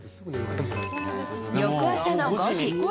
翌朝の５時。